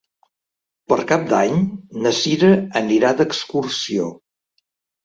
Per Cap d'Any na Cira anirà d'excursió.